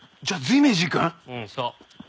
うんそう。